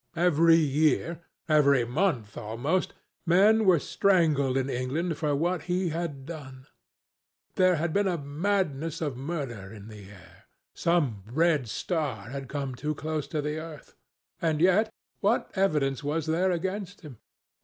Every year—every month, almost—men were strangled in England for what he had done. There had been a madness of murder in the air. Some red star had come too close to the earth.... And yet, what evidence was there against him?